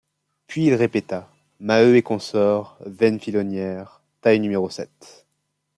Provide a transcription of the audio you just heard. Puis, il répéta: — Maheu et consorts, veine Filonnière, taille numéro sept...